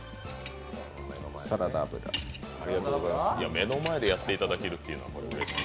目の前でやっていただけるのがうれしい。